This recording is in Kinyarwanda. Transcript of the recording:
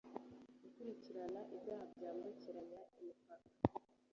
gukumira ibyaha byambukiranya imipaka